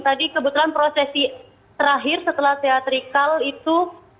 tadi kebetulan prosesi terakhir setelah teatrikal itu